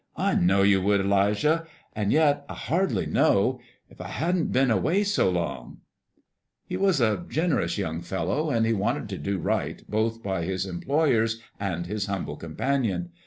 "I know you would, 'Lijah. And yet, I hardly know if I hadn't been away so long" He was a generous young fellow, and he wanted to do right both by his employers and his humble companion.